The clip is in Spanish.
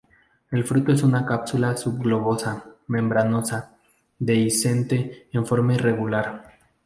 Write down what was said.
El fruto es una cápsula subglobosa, membranosa, dehiscente en forma irregular.